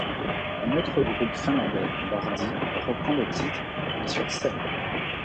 Un autre groupe finlandais Lordi, reprend le titre mais sur scène.